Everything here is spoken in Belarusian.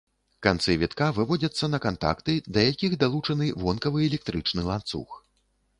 Канцы вітка выводзяцца на кантакты, да якіх далучаны вонкавы электрычны ланцуг.